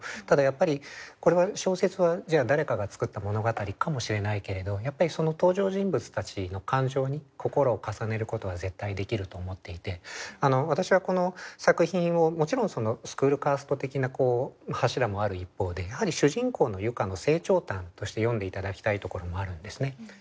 ただやっぱり小説はじゃあ誰かが作った物語かもしれないけれど登場人物たちの感情に心を重ねることは絶対できると思っていて私はこの作品をもちろんスクールカースト的な柱もある一方でやはり主人公の結佳の成長譚として読んで頂きたいところもあるんですね。